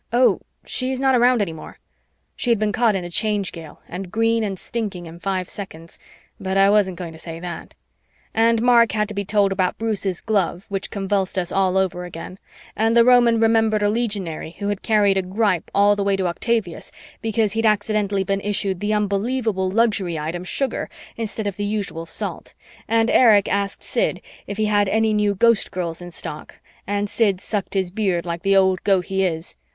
Oh, she's not around any more," (She'd been caught in a Change Gale and green and stinking in five seconds, but I wasn't going to say that) and Mark had to be told about Bruce's glove, which convulsed us all over again, and the Roman remembered a legionary who had carried a gripe all the way to Octavius because he'd accidentally been issued the unbelievable luxury item sugar instead of the usual salt, and Erich asked Sid if he had any new Ghostgirls in stock and Sid sucked his beard like the old goat he is.